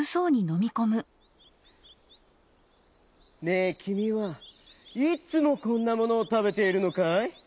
「ねえきみはいつもこんなものをたべているのかい？